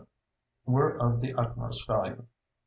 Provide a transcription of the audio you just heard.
were of the utmost value.